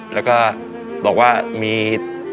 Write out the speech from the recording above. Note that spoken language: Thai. แล้วก็บอกว่ามี